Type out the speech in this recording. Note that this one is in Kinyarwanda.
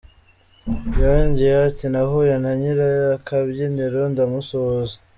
Yongeyeho ati “Nahuye na nyir’akabyiniro, ndamusuhuza.